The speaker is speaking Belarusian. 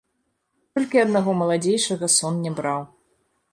Толькі аднаго маладзейшага сон не браў.